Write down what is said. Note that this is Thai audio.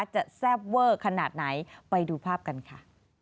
แซ่บเวอร์ขนาดไหนไปดูภาพกันค่ะ